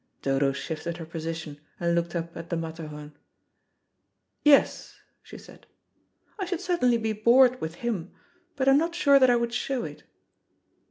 Dodo shifted her position and looked up at the Matterhorn. "Yes," she said. "I should certainly be bored with him, but I'm not sure that I would show it."